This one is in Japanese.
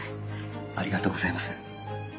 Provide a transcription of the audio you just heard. ありがとうございます。